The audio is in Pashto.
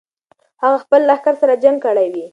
هغه به خپل لښکر سره جنګ کړی وي.